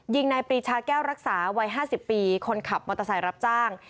นายปรีชาแก้วรักษาวัย๕๐ปีคนขับมอเตอร์ไซค์รับจ้าง